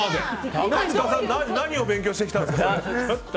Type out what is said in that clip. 高塚さん何を勉強してきたんですか。